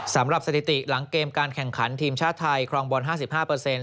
สำหรับสถิติหลังเกมการแข่งขันทีมชาติไทยครองบอลห้าสิบห้าเปอร์เซ็นต์